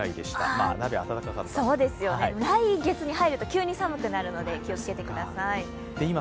来月に入ると急に寒くなるので気をつけてください。